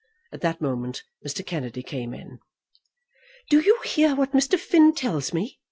At that moment Mr. Kennedy came in. "Do you hear what Mr. Finn tells me?"